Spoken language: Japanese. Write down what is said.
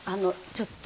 ちょっと。